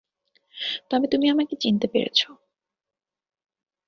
তবে তুমি আমাকে চিনতে পেরেছো।